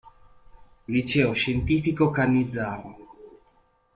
Liceo scientifico Cannizzaro".